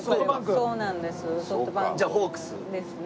じゃあホークス？ですね。